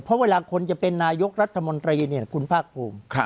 เพราะเวลาคนจะเป็นนายกรัฐมนตรีเนี่ยคุณภาคภูมิ